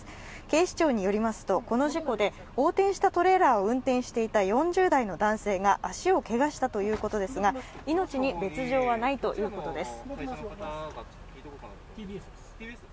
警視庁によりますと、この事故で横転したトレーラーを運転していた４０代の男性が足をけがしたということですが命に別状はないということです。